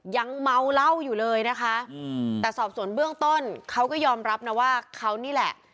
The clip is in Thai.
ยังเมาเหล้าอยู่เลยนะคะแต่สอบส่วนเบื้องต้นเขาก็ยอมรับนะว่าเขานี่แหละ